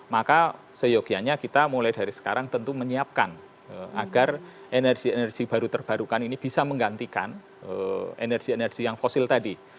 maka seyogianya kita mulai dari sekarang tentu menyiapkan agar energi energi baru terbarukan ini bisa menggantikan energi energi yang fosil tadi